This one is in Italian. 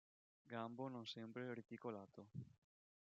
Gambo non sempre reticolato.